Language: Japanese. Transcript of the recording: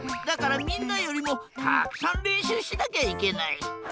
だからみんなよりもたくさんれんしゅうしなきゃいけない。